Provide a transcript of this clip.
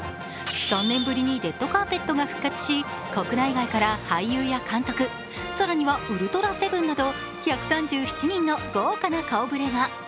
３年ぶりにレッドカーペットが復活し、国内外から俳優や監督更にはウルトラセブンなど１３７人の豪華な顔ぶれが。